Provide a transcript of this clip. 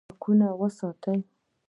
سړکونه وساتئ